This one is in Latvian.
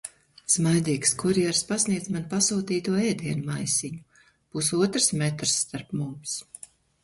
Smaidīgs kurjers pasniedz man pasūtīto ēdienu maisiņu. Pusotrs metrs starp mums.